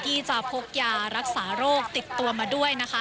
ที่จะพกยารักษาโรคติดตัวมาด้วยนะคะ